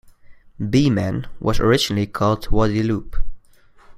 Beaman was originally called Wadiloupe.